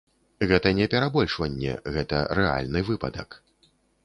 Гэта не перабольшванне, гэта рэальны выпадак.